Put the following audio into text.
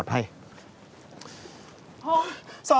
โอ้โฮ